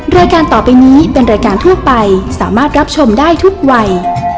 รายการต่อไปนี้เป็นรายการทั่วไปสามารถรับชมได้ทุกวัย